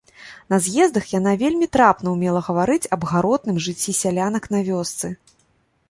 На з'ездах яна вельмі трапна ўмела гаварыць аб гаротным жыцці сялянак на вёсцы.